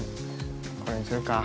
これにするか。